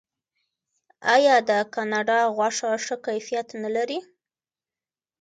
آیا د کاناډا غوښه ښه کیفیت نلري؟